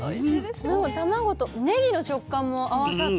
卵とねぎの食感も合わさって。